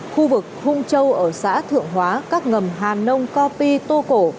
khu vực hung châu ở xã thượng hóa các ngầm hà nông co pi tô cổ